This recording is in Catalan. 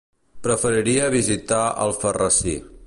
Preferiria visitar Alfarrasí.